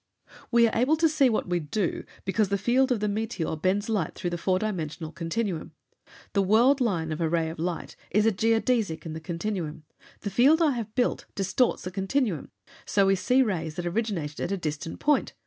"We are able to see what we do because the field of the meteor bends light through the four dimensional continuum. The world line of a ray of light is a geodesic in the continuum. The field I have built distorts the continuum, so we see rays that originated at a distant point.